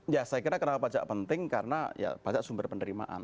ya saya kira kenapa pajak penting karena ya pajak sumber penerimaan